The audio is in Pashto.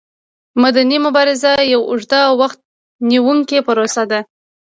مدني مبارزه یوه اوږده او وخت نیوونکې پروسه ده.